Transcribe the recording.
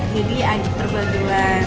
jadi agak terbagi